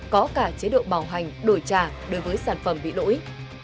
có cả chế độ bảo hành đổi trả đối với sản phẩm bị lỗi